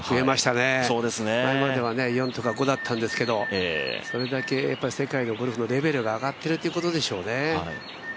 前までは４とか５だったんですけどそれだけ世界のゴルフのレベルが上がっているということでしょうね。